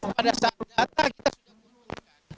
pada saat data kita sudah menurunkan